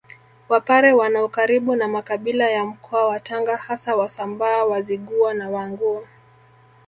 Wapare wana ukaribu na makabila ya Mkoa wa Tanga hasa Wasambaa Wazigua na Wanguu